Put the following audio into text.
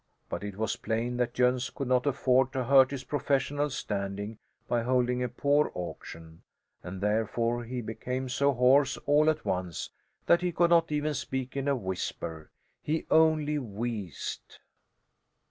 But it was plain that Jöns could not afford to hurt his professional standing by holding a poor auction, and therefore he became so hoarse all at once that he could not even speak in a whisper. He only wheezed.